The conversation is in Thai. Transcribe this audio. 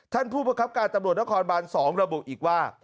ท่านผู้ประคับการตำรวจนครบาน๒ระบุอีกว่า